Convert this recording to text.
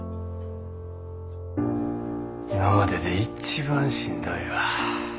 今までで一番しんどいわ。